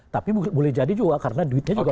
tapi boleh jadi juga karena duitnya juga